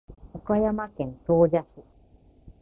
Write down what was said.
岡山県総社市